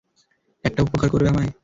একটা উপকার করবে আমার?